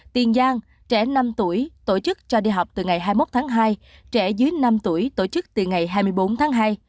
tiền giang trẻ năm tuổi tổ chức cho đi học từ ngày hai mươi một tháng hai trẻ dưới năm tuổi tổ chức từ ngày hai mươi bốn tháng hai